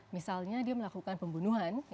misalnya dia melakukan pembunuhan